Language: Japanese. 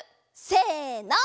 せの。